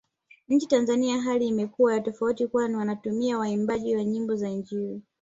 Nchini Tanzania hali imekuwa ya tofauti kwani wanawatumia waimbaji wa nyimbo za injili